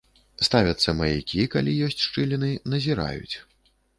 Ставяцца маякі, калі ёсць шчыліны, назіраюць.